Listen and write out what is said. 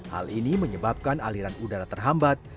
hal ini menyebabkan aliran udara terhambat